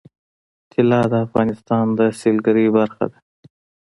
طلا د افغانستان د سیلګرۍ برخه ده.